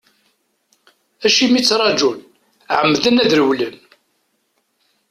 Acimi ttarǧun, ɛemmden ad rewlen.